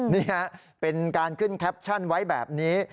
นี่เป็นการขึ้นแคปชั่นไว้แบบนี้